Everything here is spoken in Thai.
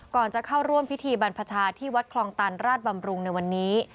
ก่อนจะเข้าร่วมพิธีบรรพชาที่วัดคลองตันราชบำรุงในวันนี้